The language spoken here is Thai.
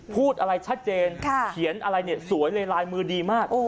พูดอะไรชัดเจนเขียนอะไรเนี่ยสวยเลยลายมือดีมาก